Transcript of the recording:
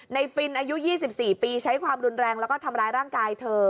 ฟินอายุ๒๔ปีใช้ความรุนแรงแล้วก็ทำร้ายร่างกายเธอ